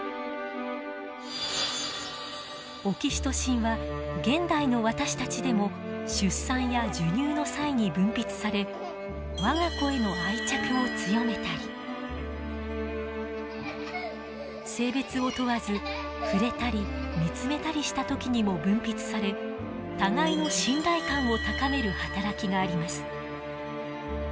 オキシトシンは現代の私たちでも出産や授乳の際に分泌され我が子への愛着を強めたり性別を問わず触れたり見つめたりした時にも分泌され互いの信頼感を高める働きがあります。